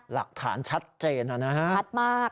หลักฐานชัดเจนนะฮะชัดมาก